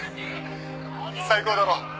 「最高だろ？」